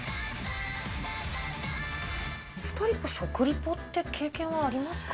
２人は食リポって経験はありますか。